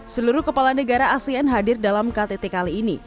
seluruh kepala negara asean hadir dalam ktt kali ini